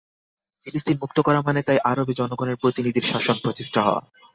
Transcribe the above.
ফিলিস্তিন মুক্ত করা মানে তাই আরবে জনগণের প্রতিনিধির শাসন প্রতিষ্ঠা হওয়া।